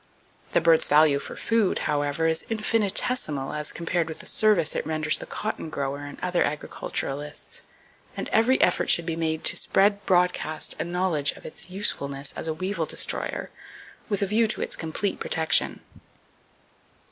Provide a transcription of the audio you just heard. The bird's value for food, however, is infinitesimal as compared with the service it renders the cotton grower and other agriculturists, and every effort should be made to spread broadcast a knowledge of its usefulness as a weevil destroyer, with a view to its complete protection.